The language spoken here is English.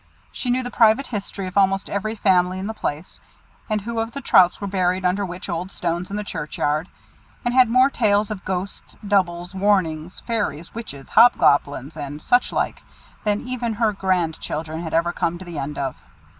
She knew the private history of almost every family in the place, and who of the Trouts were buried under which old stones in the churchyard; and had more tales of ghosts, doubles, warnings, fairies, witches, hobgoblins, and such like, than even her grandchildren had ever come to the end of.